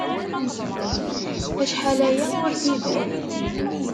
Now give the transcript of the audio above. Acḥal aya ur d-iban.